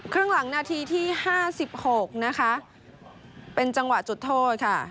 ครึ่งหลังนาทีที่๕๖นะคะเป็นจังหวะจุดโทษค่ะ